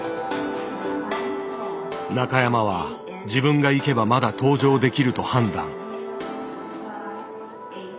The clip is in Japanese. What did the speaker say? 中山は自分が行けばまだ搭乗できると判断。